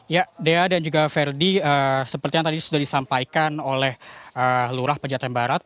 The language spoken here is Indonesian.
ya dea dan juga verdi seperti yang tadi sudah disampaikan oleh lurah pejaten barat